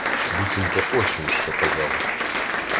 Буцімто ось він що сказав: